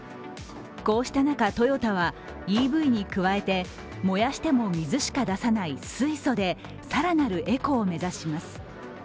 こうした中、トヨタはＥＶに加えて、燃やしても水しか出さない水素で更なるエコを目指します。